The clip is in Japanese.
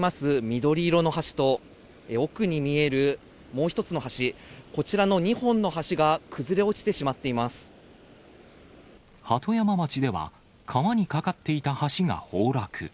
緑色の橋と、奥に見えるもう一つの橋、こちらの２本の橋が崩れ落ちてしまって鳩山町では、川に架かっていた橋が崩落。